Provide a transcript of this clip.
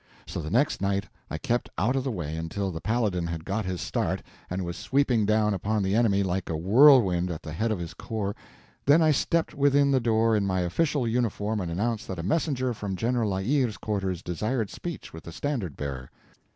So the next night I kept out of the way until the Paladin had got his start and was sweeping down upon the enemy like a whirlwind at the head of his corps, then I stepped within the door in my official uniform and announced that a messenger from General La Hire's quarters desired speech with the Standard Bearer.